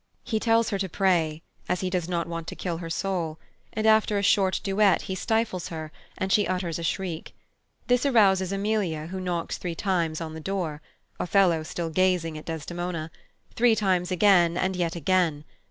He tells her to pray, as he does not want to kill her soul; and after a short duet he stifles her, and she utters a shriek. This arouses Emilia, who knocks three times on the door Othello still gazing at Desdemona three times again, and yet again.